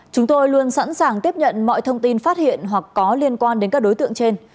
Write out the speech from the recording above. chúng tôi luôn sẵn sàng tiếp nhận mọi thông tin phát hiện hoặc có liên quan đến các đối tượng trên